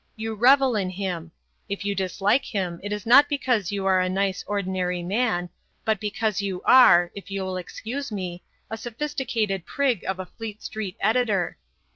You revel in him. If you dislike him it is not because you are a nice ordinary man, but because you are (if you will excuse me) a sophisticated prig of a Fleet Street editor.